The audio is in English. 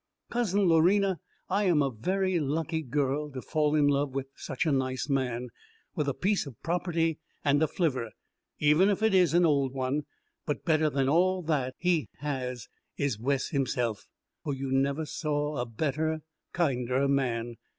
Cousin Lorena, I am a very lucky girl to fall in love with such a nice man, with a piece of property and a flivver, even if it is an old one; but better than all that he has is Wes himself, for you never saw a better, kinder man.